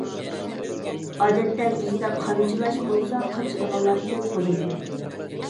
ئادەتتە بىزدە قامچىلاش بولسا قاچىدىغانلار كۆپ بولىدۇ.